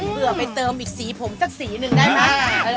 เพื่อไปเติมอีกสีผมสักสีหนึ่งได้ไหม